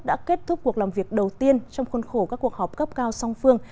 đã kết thúc cuộc làm việc đầu tiên trong khuôn khổ các cuộc họp cấp cao song phương